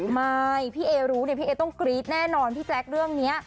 ไม่พี่เอรู้เนี่ยพี่เอต้องกรี๊ดแน่นอนพี่แจ๊คเรื่องนี้